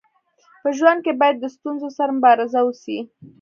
په ژوند کي باید د ستونزو سره مبارزه وسي.